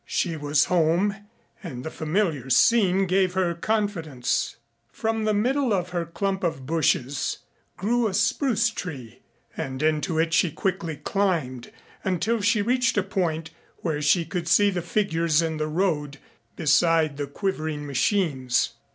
She was home and the familiar scene gave her confidence. From the middle of her clump of bushes grew a spruce tree, and into it she quickly climbed until she reached a point where she could see the figures in the road beside the quivering machines.